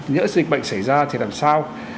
nhỡ dịch bệnh xảy ra thì làm sao